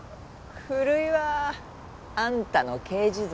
古いわあんたの刑事像